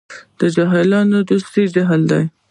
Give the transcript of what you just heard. د جاهلانو دوست جاهل وي.